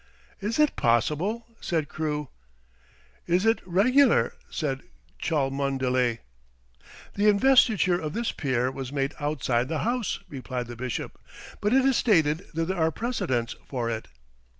"Is it possible?" said Crew. "Is it regular?" said Cholmondeley. "The investiture of this peer was made outside the House," replied the bishop; "but it is stated that there are precedents for it."